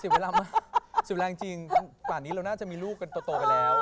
เสียเวลามาเสียเวลาจริงตอนนี้เราน่าจะมีลูกกันโตไปแล้ว